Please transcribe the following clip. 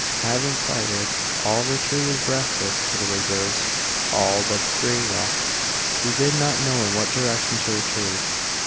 Having fired, all retreated, breathless, to the reserves all but Grayrock, who did not know in what direction to retreat.